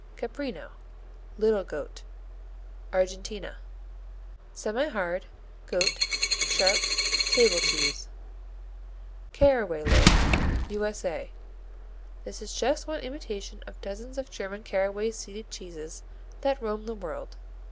Caprino (Little Goat) Argentina Semihard; goat; sharp; table cheese. Caraway Loaf U.S.A. This is just one imitation of dozens of German caraway seeded cheeses that roam the world.